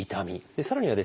さらにはですね